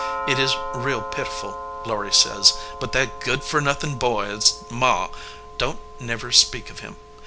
It is real pitiful, Laury says, but that good for nothin boy s ma don t never speak of him.